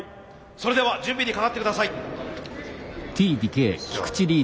それでは準備にかかって下さい。